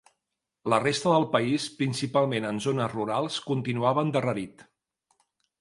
La resta del país, principalment en zones rurals, continuava endarrerit.